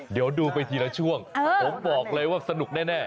เดี๋ยวดูกันไปซักพักผมบอกเลยว่าสนุกแน่